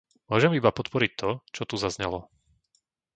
Môžem iba podporiť to, čo tu zaznelo.